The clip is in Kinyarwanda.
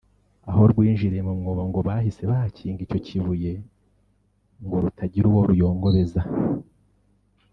aho rwinjiriye mu mwobo ngo bahise bahakinga icyo kibuye ngo rutagira uwo ruyongobeza